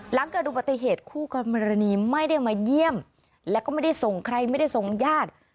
หลังเกิดอุบัติเหตุคู่กรณีไม่ได้มาเยี่ยมแล้วก็ไม่ได้ส่งใครไม่ได้ส่งญาติ